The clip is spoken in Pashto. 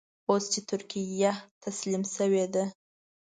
اوس چې ترکیه تسلیم شوې ده.